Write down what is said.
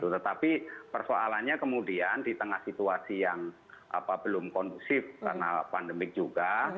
tetapi persoalannya kemudian di tengah situasi yang belum kondusif karena pandemik juga